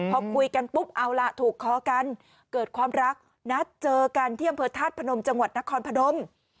พอคุยกันปุ๊บเอาล่ะถูกคอกันเกิดความรักนัดเจอกันที่อำเภอธาตุพนมจังหวัดนครพนม